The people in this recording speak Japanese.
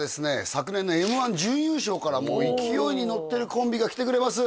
昨年のＭ−１準優勝からもう勢いに乗ってるコンビが来てくれます